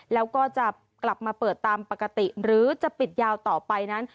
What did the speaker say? แล้วก็จะกลับมาเปิดตามปกติหรือจะปิดยาวต่อไปนั้น